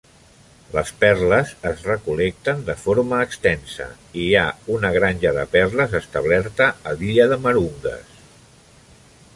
Les perles es recol·lecten de forma extensa i hi ha una granja de perles establerta a l'illa de Marungas.